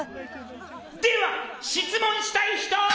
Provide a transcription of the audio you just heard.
では質問したい人！